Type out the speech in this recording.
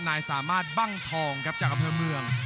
นายสามารถบ้างทองจากอาเมือง